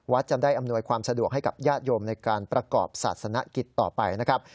จะได้อำนวยความสะดวกให้กับญาติโยมในการประกอบศาสนกิจต่อไปนะครับ